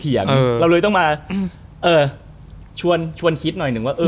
แล้วเรายังต้องมาชวนคิดหน่อย